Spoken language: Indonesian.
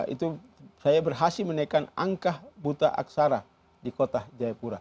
itu saya berhasil menaikkan angka buta aksara di kota jayapura